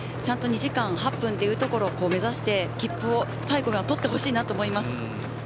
２時間８分を目指して切符を最後には取ってほしいと思います。